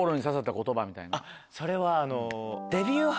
それは。